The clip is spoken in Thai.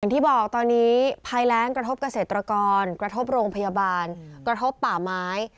ที่บอกตอนนี้ภายแรงกระทบเกษตรกรกระทบโรงพยาบาลกระทบป่าไม้